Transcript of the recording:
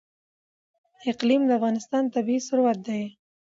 اقلیم د افغانستان طبعي ثروت دی.